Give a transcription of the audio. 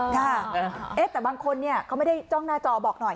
ค่ะแต่บางคนเนี่ยเขาไม่ได้จ้องหน้าจอบอกหน่อย